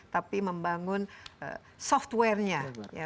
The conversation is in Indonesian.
tapi membangun software nya